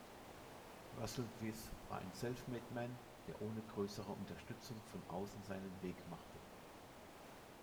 Russell Vis war ein self-made-man, der ohne größere Unterstützung von außen seinen Weg machte.